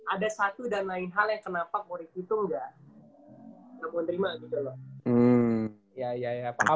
ada satu dan lain hal yang kenapa ko riki tuh nggak